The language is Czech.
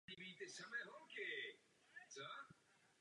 Působil jako středoškolský učitel a archivář.